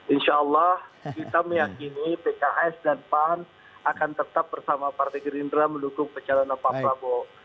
insya allah kita meyakini pks dan pan akan tetap bersama partai gerindra mendukung pencalonan pak prabowo